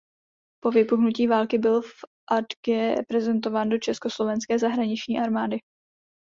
Po vypuknutí války byl v Agde prezentován do československé zahraniční armády.